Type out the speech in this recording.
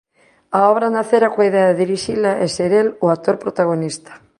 A obra nacera coa idea de dirixila e ser el o actor protagonista.